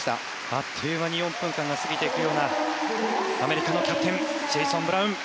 あっという間に４分間が過ぎていくようなアメリカのキャプテンジェイソン・ブラウン。